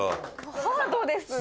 ハードですね！